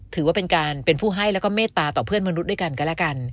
ถือว่าเป็นการเป็นผู้ให้แล้วก็เมตตาต่อเพื่อนมนุษย์ด้วยกันก็แล้วกัน